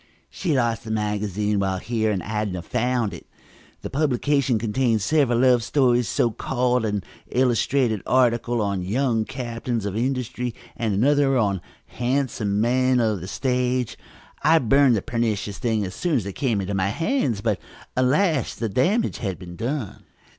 "She lost a magazine while here and Adnah found it. The publication contained several love stories, so called, an illustrated article on 'Young Captains of Industry' and another on 'Handsome Young Men of the Stage.' I burned the pernicious thing as soon as it came into my hands, but, alas, the damage had been done!"